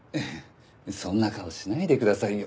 そんな顔しないでくださいよ。